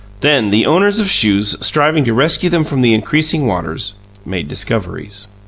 Then the owners of shoes, striving to rescue them from the increasing waters, made discoveries.